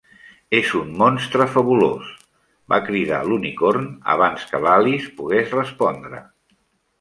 "És un monstre fabulós", va cridar l'Unicorn abans que l'Alice pogués respondre.